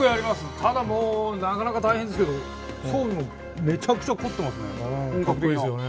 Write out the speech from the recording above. ただ、なかなか大変ですけどねめちゃめちゃ凝ってますね